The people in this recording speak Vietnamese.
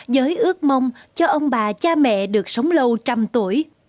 giới ước mong cho ông bà cha mẹ được sống lâu trăm tuổi